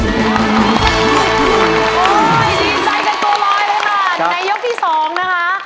ดีใจกันตัวลอยเลยค่ะในยกที่สองนะคะ